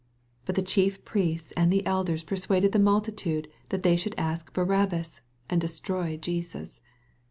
20 But the chief priests and elden persuaded the multitude that they should ask Barabbas, and destroy Jesus.